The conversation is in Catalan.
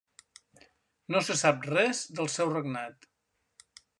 No se sap res del seu regnat.